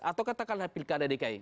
atau katakanlah pilkada dki